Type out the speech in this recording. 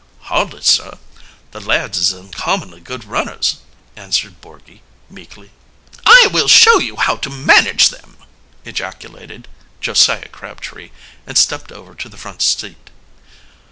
"Hardly, sir the lads is uncommonly good runners," answered Borgy meekly. "I will show you how to manage them!" ejaculated Josiah Crabtree, and stepped over to the front seat.